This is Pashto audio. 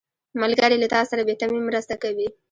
ملګری له تا سره بې تمې مرسته کوي